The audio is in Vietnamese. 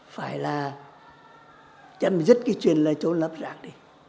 phải là chấm dứt cái chuyện là trôn lập rác đi